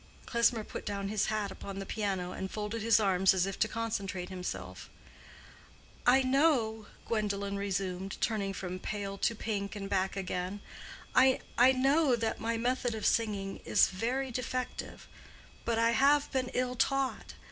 Klesmer put down his hat upon the piano, and folded his arms as if to concentrate himself. "I know," Gwendolen resumed, turning from pale to pink and back again—"I know that my method of singing is very defective; but I have been ill taught.